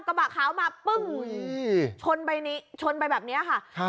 กระบะขาวมาปึ้งชนไปชนไปแบบนี้ค่ะครับ